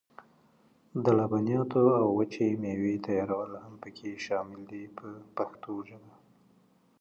د لبنیاتو او وچې مېوې تیارول هم پکې شامل دي په پښتو ژبه.